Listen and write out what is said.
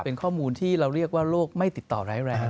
เป็นข้อมูลที่เราเรียกว่าโลกไม่ติดต่อร้ายแรง